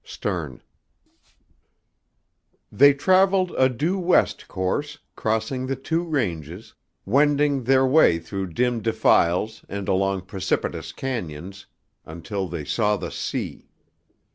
STERNE. They traveled a due west course, crossing the two ranges, wending their way through dim defiles and along precipitous cañons, until they saw the sea.